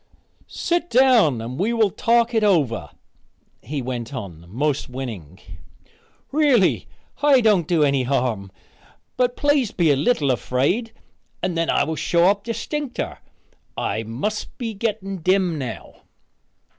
"Set down and we will talk it over," he went on most winning. "Really, I can't do any harm, but please be a little afraid and then I will show up distincter. I must be getting dim now."